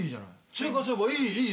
中華そばいいいい。